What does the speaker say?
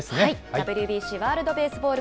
ＷＢＣ・ワールドベースボール